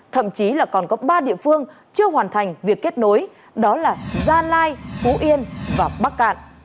thậm chí là còn có ba địa phương chưa hoàn thành việc kết nối đó là gia lai phú yên và bắc cạn